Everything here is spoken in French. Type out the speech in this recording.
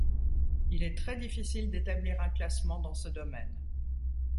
Il est très difficile d'établir un classement dans ce domaine.